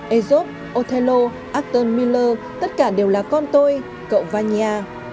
aesop othello aston miller tất cả đều là con tôi cậu vanya